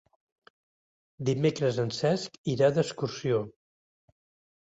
Dimecres en Cesc irà d'excursió.